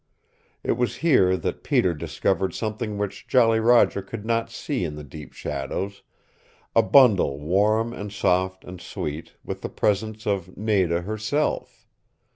It was here that Peter discovered something which Jolly Roger could not see in the deep shadows, a bundle warm and soft and sweet with the presence of Nada herself.